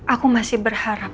aku masih berharap